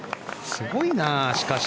すごいな、しかし。